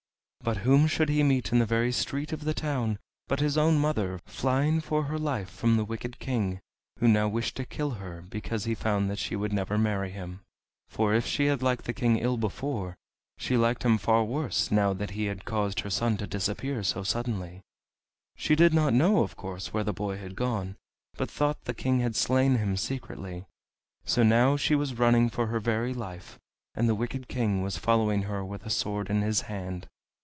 But whom should he meet in the very street of the town but his own mother, flying for her life from the wicked King, who now wished to kill her because he found that she would never marry him! For if she had liked the King ill before, she liked him far worse now that he had caused her son to disappear so suddenly. She did not know, of course, where the boy had gone, but thought the King had slain him secretly. So now she was running for her very life, and the wicked King was following her with a sword in his hand.